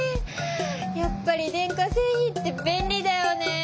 やっぱり電化せいひんって便利だよね。